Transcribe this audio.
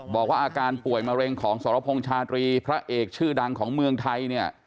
บอกว่าอาการป่วยมะเร็งของสรพงษ์ชาตรีพระเอกชื่อดังของเมืองไทยเนี่ย